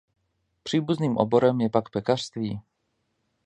Příbuzným oborem je pak pekařství.